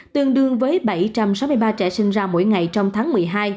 tương đương với bảy trăm sáu mươi ba trẻ sinh ra mỗi ngày trong tháng một mươi hai